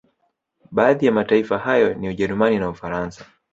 Baadhi ya mataifa hayo ni Ujerumani na Ufaransa